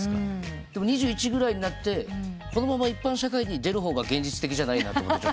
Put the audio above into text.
でも２１ぐらいになってこのまま一般社会に出る方が現実的じゃないなと思って。